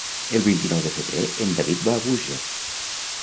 El vint-i-nou de febrer en David va a Búger.